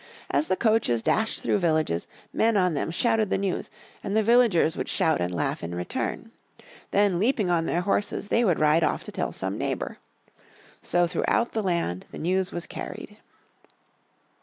As the coaches dashed through villages men on them shouted the news, and the villagers would shout and laugh in return. Then, leaping on their horses, they would ride off to tell some neighbour. So throughout the land the news was carried.